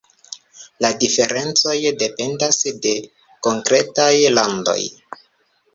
La diferencoj dependas de konkretaj landoj.